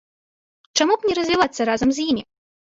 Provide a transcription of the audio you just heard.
Чаму б не развівацца разам з імі?